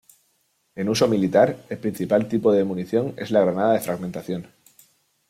En uso militar, el principal tipo de munición es la granada de fragmentación.